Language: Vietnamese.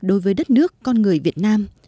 đối với đất nước con người việt nam